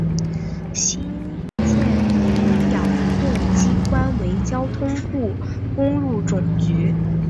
新建与养护机关为交通部公路总局。